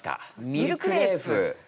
ミルクレープ！